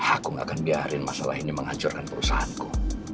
aku gak akan biarin masalah ini menghancurkan perusahaanku